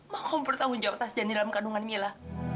ma kamu pertahun jawab tas janji dalam kandungan mila